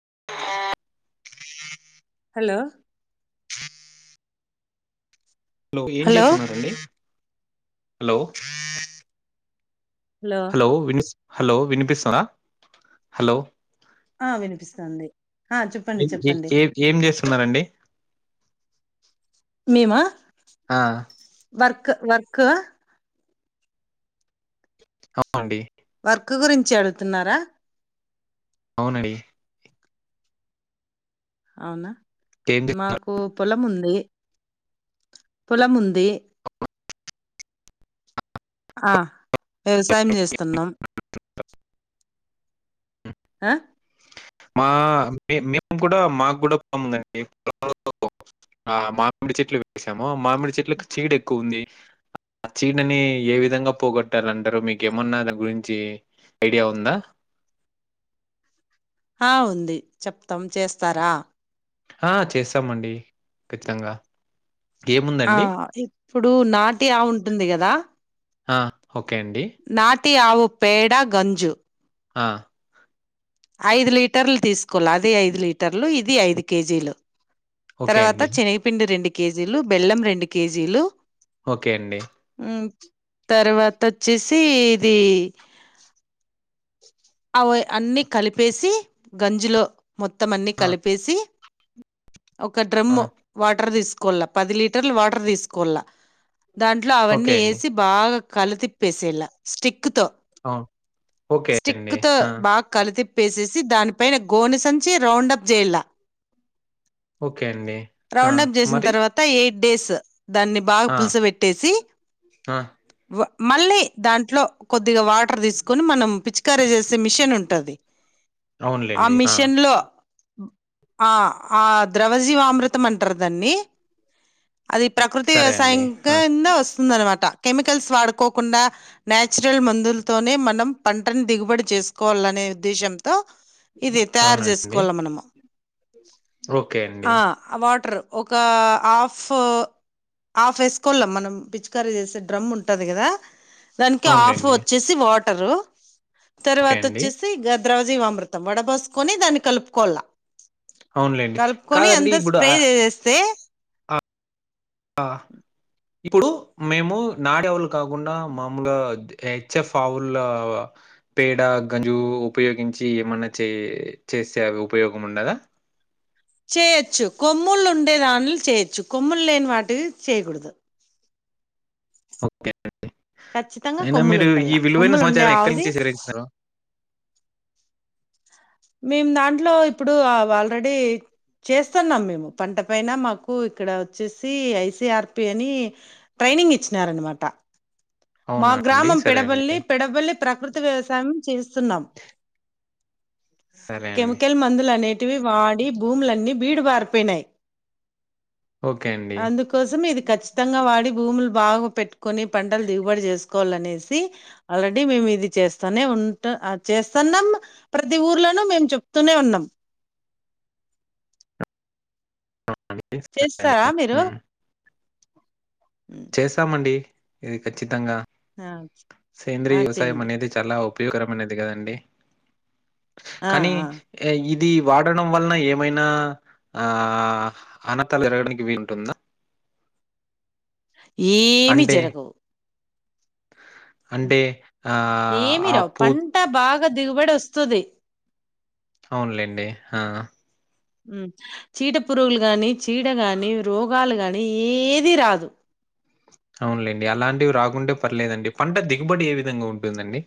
ఆ hello hello ఏం చేస్తున్నారు హలో అండి. హలో హలో వినీ హలో వినిపిస్తుందా హలో ఆ వినిపిస్తుంది. ఆ చెప్పండి ఏ చెప్పండి ఏ ఏం జేస్తూ న్నారండి మీమా ఆ వర్ వర్క్ అవునండి వర్క్ గురించి అడుగుతున్నారా అవునండి అవునా ఏం చేస్తున్నారు మాకు పొలముంది పొలముంది ఆ వ్యవసాయం చేస్తున్నా హా మా మేము కూడా మాకు కూడా పొలం ఉందండి ఆ మామిడి చెట్లు వేసాము ఆ మామిడి చెట్లకు చీడు ఎక్కువగా ఆ చీడని ఏ విధంగా పోగొట్టాలంటారు మీకేమన్నా దాని గురించి ఐడియా ఉందా ఆ ఉంది చెప్తాం చేస్తారా ఆ చేస్తామండి ఖచ్చితంగా ఆ ఏముందండి ఇప్పుడు నాటి ఆవు ఉం ఉంటుంది కదా ఆ ఓకే అండి తి ఆవు పేడ గంజు ఆ ఐదు లీటర్లు తీసుకోల్ల అది ఐదు లీట్ టర్లు ఇది ఐదు కేజీలు ఓకే తర్వాత అండి చెనిగిపిండి రెండు కేజీలు బెల్లం రెండు కేజీలు ఓకే అండి తర్వాత వచ్చేసి ఇది అవ అన్నీ కలిపేసి గంజులో మొత్తమన్ని ఆ, కలిపేసి ఒక డ్రమ్ ఆ, వాటర్ తీసుకు కోల్ల పది లీటర్లు వాటర్ తీసుకోళ్ల దాంట్లో అవన్నీ ఓకే అండి వేసి బాగా కలతిపేసేలయేళ్ళ స్టిక్ అవును ఓకే అండి స్టీకుతో ఆ! బాగా కలితి పేసేసి దానిపైన గోనిసంచి రౌండ్ప్ జెయలా ఓకే అండి. ఆ! రౌండ్ప్ చేసిన మరి తర్వాత ఎయిట్ డిస్ దాన్ని బాగా ఆ! పులుస పెట్టేసి ఆ! మళ్ళీ దాంట్లో కొద్దిగా వాటర్ తీసుకొని మన కర చేసే మిషన్ ఉంటది ఆ మిషన్ లో ఆ ఆ ద్రవజీవామృతం అంటారు దన్ని అది ప్రకృతి సరే అండి. వ్యవసాయం ఆ! కింద వస్తుంది అనమాట కెమికల్స్ వాడుకోకుండా న్యచురల్ మందులతోనే మనం పన్ అని దిగుబడి చేసుకోవాలనే ఉద్దేశంతో తో ఇది తయారు అవునండి. చేసుకోవాల మనము ఓకే అండి. అ ఆ వాటర్ ఒక హాఫ్ హాఫ్ వేసుకోళం మనం పిచ్చుకరీ చేసే డ్రమ్ ఉంటుంది కదా దానికి ఆఫ్ అవునులెండి. వచ్చేసి వాట రు ఓకే తర్వాత అండి. వచ్చేసి గ ద్రవజీవా అమృతం వడబోసుకొని దాన్ని కలుపుకోవాల అవునులెండి. కలుపుకొని కాదండి అంతా ఇప్పుడు స్ప్రే ఆహ్, చేసేస్తే ఇప్పుడు మేము నాడ ఆవులు కాకుండా మాముూలు హెచ్ఎఫ్ ఆవులు పేడ గంజు ఉపయోగించి ఏమన్నా చే చేసేవి ఉపయోగం ఉన్నదా చేయొచ్చు కొమ్ముళ్లు ఉండే దానిలు చేయొచ్చు కొమ్ములు లేని వాటికి చేయకూడదు ఓకే ఖచ్చితంగా అయినా కొమ్ములు మీరు ఉండల్లా ఈ విలువైన కొమ్ములు ఉండే సమాచారం ఎక్కడ ఆవుది నుంచి సేకరించినారు మేము దాంట్లో ఇప్పుడు ఆల్రెడీ చేస్తున్నాం మేము పంట పైన మాకు ఇక్కడ వచ్చేసి ఐసీఆర్ పి అని ట్రైనింగ్ ఇచ్చినారు అన్నమాట మా అవునా అండి. గ్రామం సరే అండి. పెడబల్లి పెడబల్లి ప్రకృతి వ్యవసాయం చేస్తున్నాం సరే అండి. కెమికల్ మందులు అనేటివి వాడి భూములన్నీ బీడు పారిపోయినయ్ ఓకే అండి. అందుకోసం ఇది కఖచ్చితంగా వాడి భూములు భాగా పెట్టుకొని పడ దిగుబడి చేసు కోవాలనేసి ఆల్రెడీ మేము ఇది చేస్తూనే ఉంట చేస్తున్నాం ప్రతి ఊర్లోను మేము చెప్తూనే ఉన్నాం సరే చేస్తారా అండి మీరు హ్మ్. చేసామండి ఇది ఖచ్చితంగా ఆ సేంద్రీయ ఆ వ్యవసాయం చేయండి అనేది చాలా ఊ ఉపయోగకరం అనేది కదండి ఆ కానీ ఆ ఇది ఇది వాడడం వల్లన ఏమైనా ఆ అనతాలు జరగడానికి వీలు ఉంటుందా ఏమి అంటే జరగవు అంటే ఆ ఏమి ఆ రావు పూ పంట బాగా దిగుబడి వస్తు వస్తుంది అవునులేండి ఆ చీట పురుగులు గాని చీడ గాని రోగాలు గాని ఏది రాదు అవునులేండి అలాంటివి రాకుంటే పర్లేదండి పంట దిగుబడి ఏ విధంగా ఉంటుందండి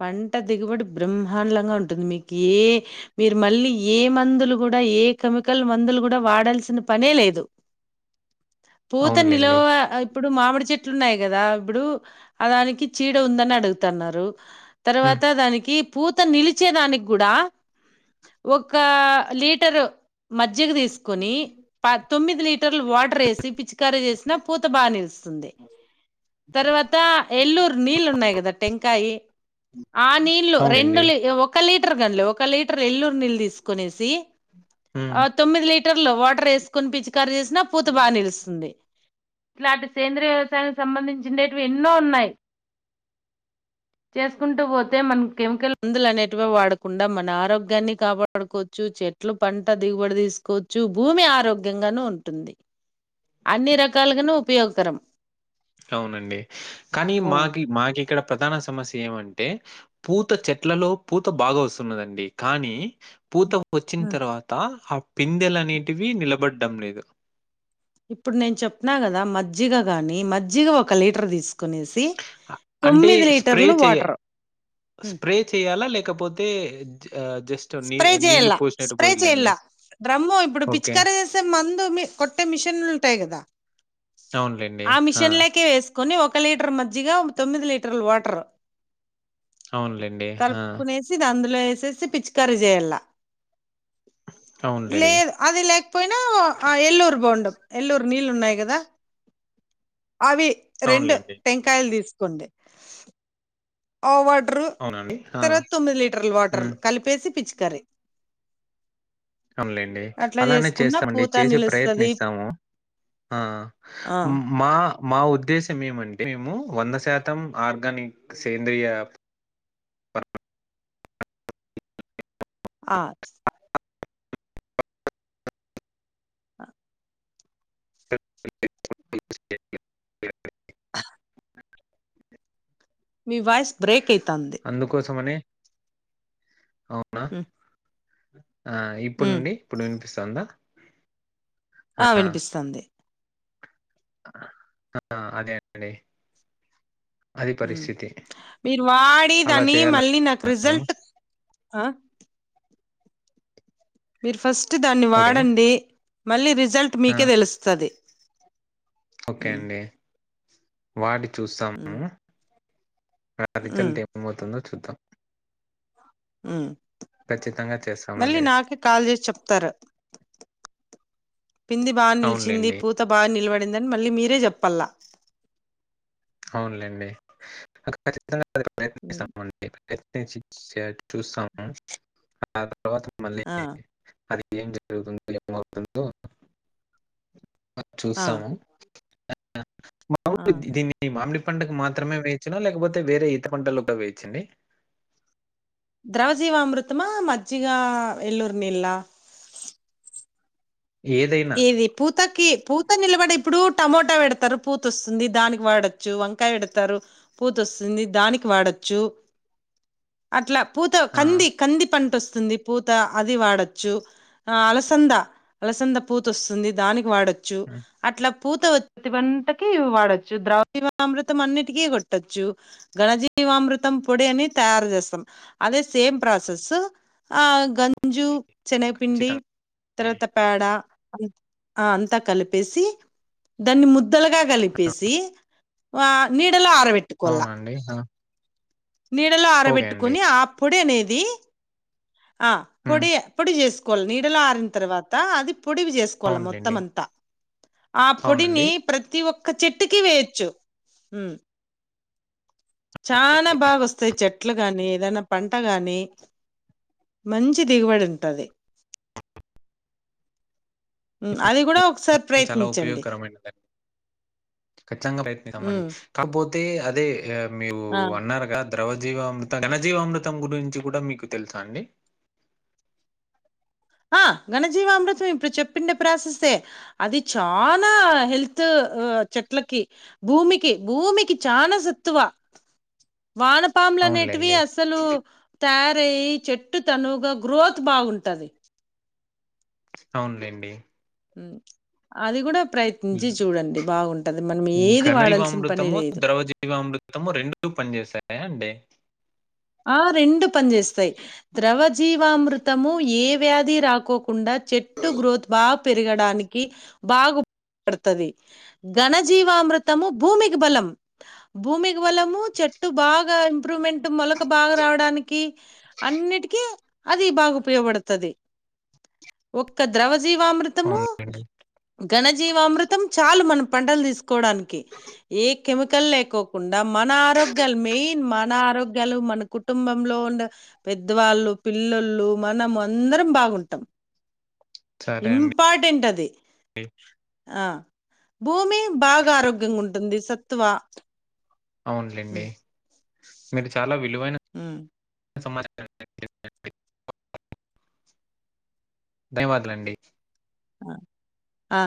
పంట దిగుబడి బ్రహ్మాండంగా ఉంటుంది మీకు ఏ మీరు మళ్ళీ ఏ మందులు కూడా ఏ కెమికల్ మందులు కూడా వాడాల్సిన పనే లేదు పూత అవునులేండి. నిలువ ఇప్పుడు మామిడి చెట్టు ఇట్లున్నాయి కదా ఇప్పుడు అ దానికి చీడ ఉందని అడుగుతన్నారు. హ్మ్. తర్వాత దానికి పూత నిలిచే దానికి కూడా ఒక లీటరు మజ్జిగ తీసుకోని ప తొమ్మిది లి లీటర్ల వాటర్ వేసి పిచ్చికారి చేేసినా పూత బాగా నిలుస్తుంది తర్వాత ఎల్లూరు నీళ్ళు ఉన్నాయి కదా టెంకాయి ఆ నీళ్లు అవునండి. రెండులీ ఒక లీ ఒక లీటర్ కన్లే ఒక లీటర్ ఎల్లురు నీళ్ళు తీసుకునేసి హ్మ్. ఆ తొమ్మిదిలీట్ లీటర్లో వాటర్ వేసుకని పిచ్చికా కారి చేసినా పూత బాగా నిలుస్తుంది. ఇట్లాంటి సేంద్రయ వ్యవసాయానికి సంబంధించిండేట్వి ఎన్నో ఉన్నాయి. చేసుకుంటూ పోతే మనం కెమికల్ మందులు అనేటివి వాడకుండా మన ఆరోగ్యాన్ని కాపాడుకోవచ్చు. చెట్లు పంట దిగుబడి తీసుకోవచ్చు భూమి ఆరోగ్యంగాను ఉంటుంది. అన్ని రకాలుగానూ ఉపయోగకరం. అవునండి కానీ ఆ మాకి మాకి ఇక్కడ ప్రధాన సమస్య ఏమంటే పూత చెట్లలో పూత బాగా వస్తున్నదండి కానీ పూత వచ్చిన ఉమ్. తర్వాత ఆ పి పిందెలు అనేటివి నిలబడ్డం లేదు. ఇప్పుడు నేను చెప్పిన కదా మజ్జిగ గాని మజ్జిగ ఒక లీటర్ తీసుకు కొనేసి అ అంటే తొమ్మిది స్ప్రే లీటర్లు చేయ వాటర్ హు స్ప్రే చేయాలా? లేకపోతే జ ఆహ్, జస్ట్ నీ స్ప్రే నీళ్లు చేయల్ల పోసినట్టు స్ప్రే చెయల్ల పోయాలండి. డ్రమ్ము ఇప్పుడు ఓకే. పిచ్చికర చేసే మందు మీ కొట్టే మిషన్లు ఉంటాయి కదా ఆ మిషన్లేకే వేస్ కొని ఒక లీటర్ మజ్జిగా తొమ్మిది లీటర్లు వాటర్ అవునులెండి. ఆ! కలుపుకునేసి దండ్ లో వేసేసి పిచ్కా కరి చేయల్ల అవునులెండి. లేదు అది లేక్ పోయినా ఆ ఎల్లూరు బొండం ఎల్లూరు నీళ్ళు ఉన్నాయి కదా అవి రెండు అవునులెండి. టెంకాయలు తీస్ కొండే ఆ వాట్ ట్రూ అవునండి. ఆ! తర్వాత తొమ్మిది లీటర్ల వాటర్ హ్మ్. కలిపేసి పిచ్కరీ అవున్లేండి. అలానే చేసుకున్న చేస్తామండి పూత చేసే నిలుస్తది ప్రయత్నిస్తాము ఆ ఆ మా మా ఉద్దేశం ఏమంటే మేము వంద శాతం ఆర్గానిక్ సేంద్రియ పర్ ఆ ఓకే మీ వాయిస్ బ్రేక్ అ అందుకోసమని అవునా ఆ ఉ ఇప్పుడునుండి ఇప్పుడు వినిపిస్ తందా ఆ వినిపిస్తుంది ఆ అదేండి హ్మ్ మీరు అలా వాడిదాన్ని చేయాల మళ్ళీ నాకు రిజల్ట్ మీరు ఫస్ట్ ఫస్ట్ దాన్ని ఓకే వాడండి మళ్ళీ రి రిజల్ట్ ఆ మీకే తెలుస్తది ఓకే హ్మ్. అండి వాటి హ్మ్. చూస్తాము నా హ్మ్. రిజల్ట్ ఏమవుతుందో చూద్దాం హ్మ్ ఖచ్చితంగా మళ్ళీ చేస్తామండి అది నాకే కాల్ చేేసి చెప్తారు పింది బాగా నిలిచింది అవునులేండి పూత బాగా నిలవ పడిందని మళ్ళీ మీరే చెప్పలా అవునులేండి ఖచ్చితంగా హ్మ్. ప్రయత్ననిస్తాం అండి ఎత్ని [unintelligible] చూసాము అ తరువాత మళ్ళీ ఆ! అది ఏం జరుగుతుంది ఏమవుతుందో ఆ! చూస్తాము ఆ ఆ! మాములుగా దీన్ని మామిడి పంటకు మాత్రమే వేయచ్చునా లేకపోతే వేరే ఈత పంటల్లో కూడా వేయచండి ద్రవజీవా అమృతమా మజ్జిగా ఎల్లూర్ నిల్లా ఏదైనా. ఇది పూతకి పూత నిలబడి ఇప్పుడు టమోటా పెడతారు పూత వస్తుంది దానికి వాడొచ్చు వంకాయ పెడతారు పూత వస్తుంది దానికి వాడొచ్చు అట్లా పూత ఆ! కంది కంది పంట వస్తు స్తుంది పూత అది వాడచ్చు ఆ అలసంద పూత వస్తుంది దానికి వాడొ చ్చు హ్మ్. అట్లా పూత వత్తి వంటకి వాడొచ్చు ద్రవ్యమామృతం అన్నింటికీ కొట్టొచ్చు గణజీమృతం పొడి అని తయారు చేస్తాం అదే సేమ్ ప్రాసెస్ ఆ గంజు చెనైపిండి ఖచ్చితంగానే. తర్వాత పేడ అంతా కలిపేసి దాన్ని ముద్ ద్దలగా కలిపేసి వా మీర్ ఎండలో ఆరబెట్టుకొల్లా అవునండి. ఆ! నీడలో ఓకే అండి. ఆరబెట్టుకుని ఆ పొడి అనే ది ఆ హ్మ్. పొడి పొడి చేసుకో కొన్ నీడలో ఆరిన తర్వాత అది పొడివి చేసుకోవాల మొత్తం అవునులెండి. అంతా ఆ అవునండి. పొడిని ప్రతి ఒ ఒక చెట్టుకి వేయచ్చు చాల బాగా వస్తాయి చె చెట్లు గాని ఏదనా పంట గాని మంచి దిగుబడి ఉంటది అది కూడా ఒకసారి ఇది చాలా ప్రయత్నించండి ఖచ్చింగా ప్రయత్నించుతామండి హ్మ్. కాకపోతే తే అదే మీరు ఆ! అన్నారుగా ద్రవజీవామృతం ఘనజీవామృతం గురించి కూడా మీకు తెలుసా అండి ఆ ఘణజీవామృతం ఇప్పుడు చెప్పిండే ప్రాసస్సే అది చానా హెల్త్ చెట్లకి భూమికి భూమికి చానా సత్తువ వానపాముల అనేటివి అవునులెండి. అసలు తయారు రయ్యి చెట్టు తనువుగా గ్రోత్ బాగుంటది అవునులేండి అది కూడా ప్రయత్నించి చూడండి బాగుంటది మనం ఏది వాడాల్సిన పని ఘనజీవామృతము లేదు ద్రవజీవామృతము రెండు పని చేసాయా అండి ఆ రెండు పనిచేస్తాయి ద్రవ జీవామృతము ఏ వ్యాధి రాకోకుండా చెట్టు గ్రోత్ బాగా పెరగడానికి బాగు పడుతది గఘన జీవామృతము భూమికి బలం భూమికి బలము చెట్టు బాగా ఇంప్రూవ్మెంట్ మొల క బాగా రావడానికి అన్నిటికీ అది బాగా ఉపయోగపడుతది ఒక్క ద్రవ జీవామృతము అవునులేండి. గణజీవామృతం చాల్ మన పండలు తీసు కోడానికి ఏ కెమికల్ లేకోకుండా మన ఆరోగ్యాలు మెయిన్ మన ఆరోగ్య మన కుటుంబంలో ఉండ పెద్దవాళ్ళు పిల్లలు మనం అందరం బాగుంటాం సరే అండి. ఇంపార్టెంట్ అది ఆ భూమి బాగా ఆరోగ్యంగా ఉంటుంది సత్వ అవునులేండి మీరు చాలా హమ్ సమాచ ధన్యవాదలండి ఆ ఆ